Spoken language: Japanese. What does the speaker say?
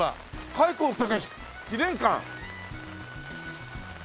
開高健記念館。